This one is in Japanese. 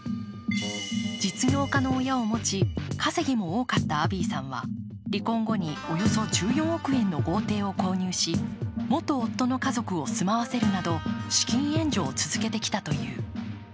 実業家の親を持ち、稼ぎも多かったアビーさんは離婚後におよそ１４億円の豪邸を購入し元夫の家族を住まわせるなど資金援助を続けてきたという。